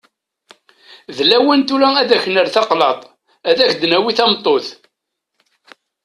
D lawan tura ad k-nerr taqlaḍt, ad k-d-nawi tameṭṭut.